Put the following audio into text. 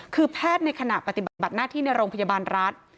คือแพทย์ในขณะปฏิบัติหน้าที่ในโรงพยาบาลรัฐ